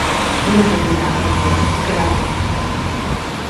Nola esaten da arabieraz "gradu"?